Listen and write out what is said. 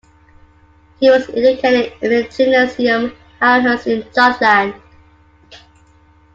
He was educated at the Gymnasium Aarhus in Jutland.